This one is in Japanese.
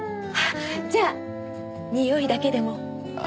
じゃあにおいだけでも。